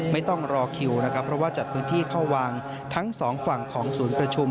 ไม่ต้องรอคิวนะครับเพราะว่าจัดพื้นที่เข้าวางทั้งสองฝั่งของศูนย์ประชุม